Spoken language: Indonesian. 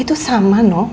itu sama noh